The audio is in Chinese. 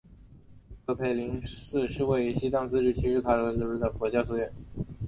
格培林寺是位于西藏自治区日喀则市白朗县巴扎乡觉杰村的一座藏传佛教寺院。